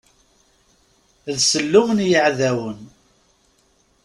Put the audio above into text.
D sellum n yiɛdawen.